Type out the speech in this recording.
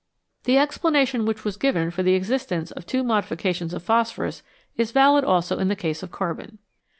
The explanation which was given for the existence of two modifications of phosphorus is valid also in the case of carbon.